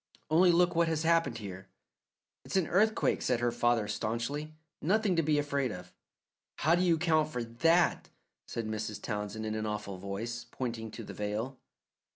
"Only look what has happened here." "It's an earthquake," said her father staunchly; "nothing to be afraid of." "How do you account for THAT?" said Mrs. Townsend in an awful voice, pointing to the veil.